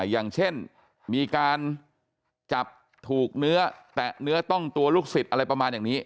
อย่างเช่นมีการจับถูกเนื้อแตะเนื้อต้องตัวลูกศิษย์อะไรประมาณอย่างนี้